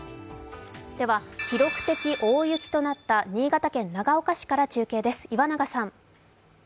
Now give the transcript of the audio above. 記録的大雪となった新潟県長岡市から中継です。